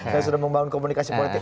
dan sudah membangun komunikasi politik